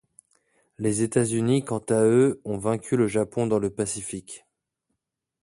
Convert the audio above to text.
Les États-Unis, quant à eux, ont vaincu le Japon dans le Pacifique.